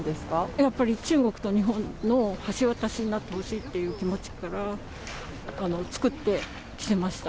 やっぱり中国と日本の橋渡しになってほしいっていう気持ちから、作って着せました。